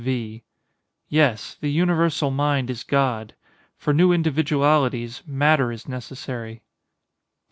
V. Yes. The universal mind is God. For new individualities, matter is necessary.